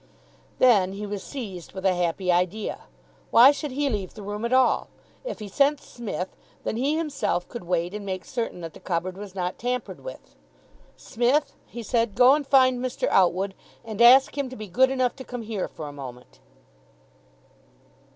Then he was seized with a happy idea. Why should he leave the room at all? If he sent Smith, then he himself could wait and make certain that the cupboard was not tampered with. "Smith," he said, "go and find Mr. Outwood, and ask him to be good enough to come here for a moment."